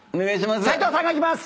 齋藤さんが行きます！